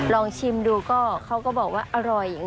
ลองชิมดูก็เขาก็บอกว่าอร่อยอย่างนี้